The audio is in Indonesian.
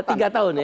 tiga tahun ya